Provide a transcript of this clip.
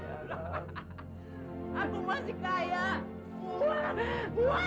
selamatkan aku masih kaya uang uang